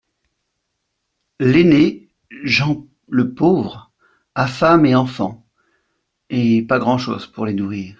L'aîné, Jean le Pauvre, a femme et enfants, et pas grand'chose pour les nourrir.